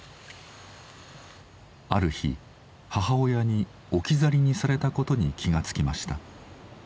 ある日母親に置き去りにされたことに気が付きました。